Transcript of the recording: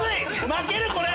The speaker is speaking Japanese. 負けるこれ。